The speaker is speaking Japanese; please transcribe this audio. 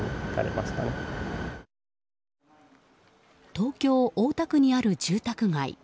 東京・大田区にある住宅街。